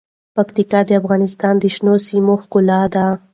پکتیکا د افغانستان د شنو سیمو ښکلا ده.